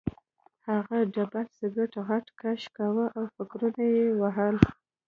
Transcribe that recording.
هغه ډبل سګرټ غټ کش کاوه او فکرونه یې وهل